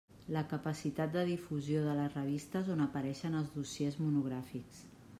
La capacitat de difusió de les revistes on apareixen els dossiers monogràfics.